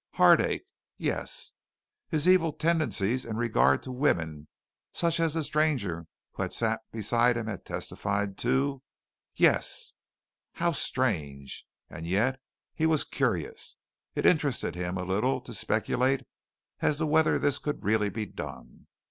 Heartache? Yes. His evil tendencies in regard to women, such as the stranger who had sat beside him had testified to? Yes. How strange! And yet he was curious. It interested him a little to speculate as to whether this could really be done.